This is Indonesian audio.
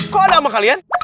kok ada sama kalian